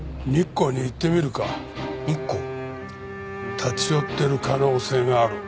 立ち寄ってる可能性がある。